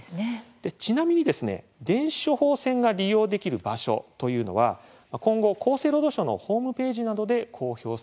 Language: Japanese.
ちなみに、電子処方箋が利用できる場所というのは、今後厚生労働省のホームページなどで公表される予定なんです。